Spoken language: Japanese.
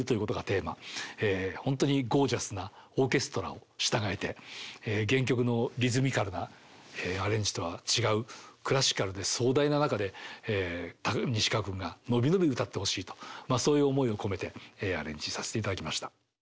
本当にゴージャスなオーケストラを従えて原曲のリズミカルなアレンジとは違うクラシカルで壮大な中で西川君が伸び伸び歌ってほしいとそういう思いを込めてアレンジさせていただきました。